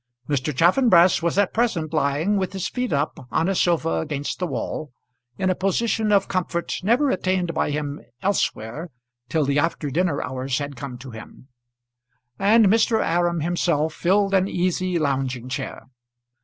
Mr. Chaffanbrass was at present lying, with his feet up, on a sofa against the wall, in a position of comfort never attained by him elsewhere till the after dinner hours had come to him; and Mr. Aram himself filled an easy lounging chair.